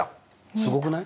すごくない？